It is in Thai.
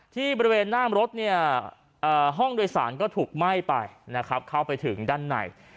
ที่บริเวณหน้ารถเนี่ยห้องโดยสารก็ถูกไหม้ไปนะครับเข้าไปถึงด้านใน